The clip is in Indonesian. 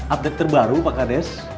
update terbaru pak kades